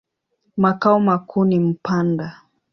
Makao makuu ni Mpanda.